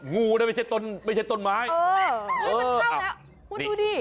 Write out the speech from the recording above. งูนะไม่ใช่ต้นไม้เออมันเข้าแล้วพูดดูดิ